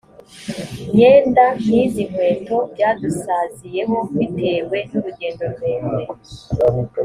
myenda n izi nkweto byadusaziyeho bitewe n urugendo rurerure